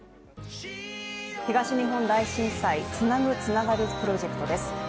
東日本大震災、「つなぐ、つながる」プロジェクトです。